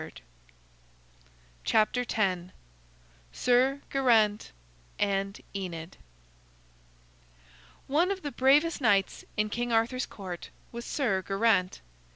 SIR GERAINT AND ENID One of the bravest knights in King Arthur's Court was Sir Geraint.